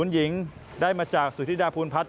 ๔๒๐หญิงได้มาจากสุธิดาพูนพัฒน์